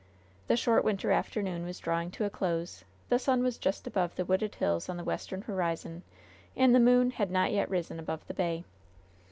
The short winter afternoon was drawing to a close. The sun was just above the wooded hills on the western horizon, and the moon had not yet risen above the bay.